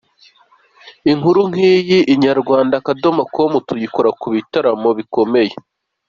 Inkuru nk’iyi, Inyarwanda.com tuyikora ku bitaramo bikomeye.